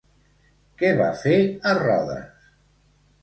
Què va fer a Rodes?